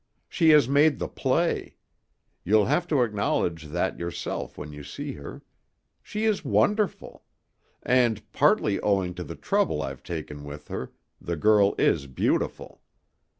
She has made the play. You'll have to acknowledge that yourself when you see her. She is wonderful. And, partly owing to the trouble I've taken with her, the girl is beautiful.